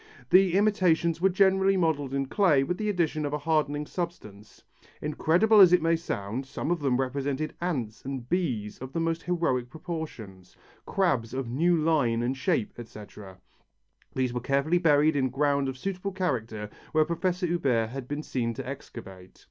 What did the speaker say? The imitations were generally modelled in clay with the addition of a hardening substance. Incredible as it may sound, some of them represented ants and bees of the most heroic proportions, crabs of new line and shape, etc. These were carefully buried in ground of suitable character where Prof. Huber had been seen to excavate.